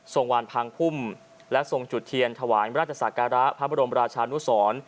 วานพังพุ่มและทรงจุดเทียนถวายราชศักระพระบรมราชานุสร